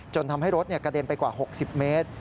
ทำให้รถกระเด็นไปกว่า๖๐เมตร